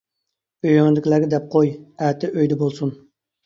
ئۆيۈڭدىكىلەرگە دەپ قوي، ئەتە ئۆيدە بولسۇن.